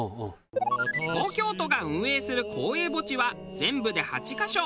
東京都が運営する公営墓地は全部で８カ所。